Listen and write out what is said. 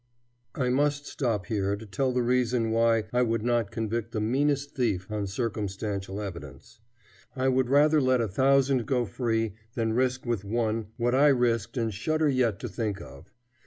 I must stop here to tell the reason why I would not convict the meanest thief on circumstantial evidence. I would rather let a thousand go free than risk with one what I risked and shudder yet to think of.